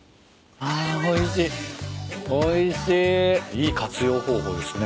いい活用方法ですね